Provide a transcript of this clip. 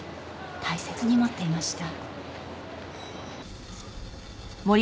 大切に持っていました。